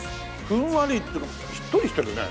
ふんわりっていうかしっとりしてるね。